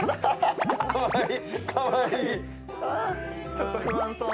ちょっと不安そうな。